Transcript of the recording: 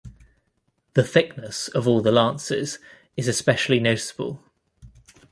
The thickness of all the lances is especially noticeable.